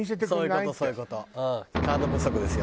カード不足ですよ